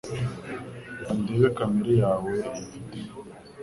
Reka ndebe kamera yawe ya videwo.